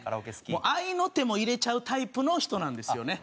合いの手も入れちゃうタイプの人なんですよね。